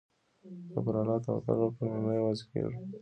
که پر الله توکل وکړو نو نه یوازې کیږو.